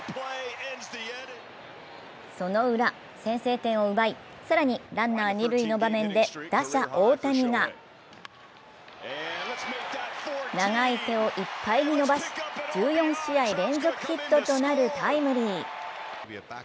そのウラ、先制点を奪い、更にランナー、二塁の場面で打者・大谷が長い手をいっぱいに伸ばし、１４試合連続ヒットとなるタイムリー。